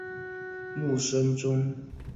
谢拉克人口变化图示